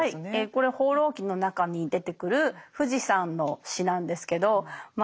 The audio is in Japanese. これは「放浪記」の中に出てくる富士山の詩なんですけどまあ